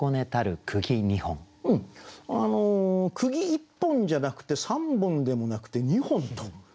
釘一本じゃなくて三本でもなくて二本と。